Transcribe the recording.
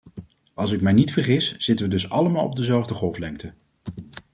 Als ik mij niet vergis, zitten wij dus allemaal op dezelfde golflengte.